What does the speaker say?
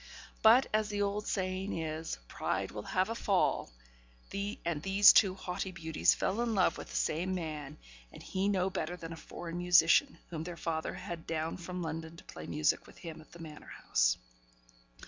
But, as the old saying is, 'Pride will have a fall;' and these two haughty beauties fell in love with the same man, and he no better than a foreign musician, whom their father had down from London to play music with him at the Manor House.